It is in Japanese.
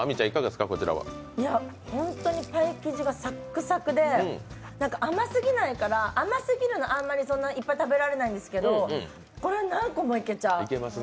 ほんとにパイ生地がさっくさくで甘すぎないから甘すぎるのあんまりそんないっぱい食べられないんですけどこれ、何個もいけちゃう。